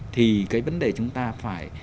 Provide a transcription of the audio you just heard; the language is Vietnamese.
thì cái vấn đề chúng ta phải